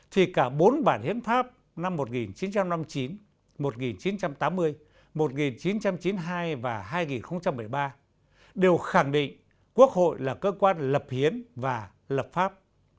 thì cả bốn bản hiến pháp năm một nghìn chín trăm năm mươi chín một nghìn chín trăm tám mươi một nghìn chín trăm chín mươi hai và hai nghìn một mươi ba đều khẳng định quốc hội là cơ quan lập hiến và lập pháp